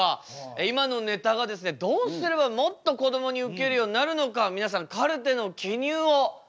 今のネタがですねどうすればもっとこどもにウケるようになるのか皆さんカルテの記入をお願いしたいと思います。